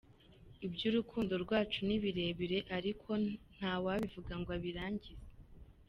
Iby’urukundo rwacu ni birebire ariko ntawabivuga ngo abirangize.